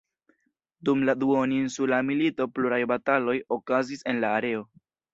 Dum la Duoninsula Milito pluraj bataloj okazis en la areo.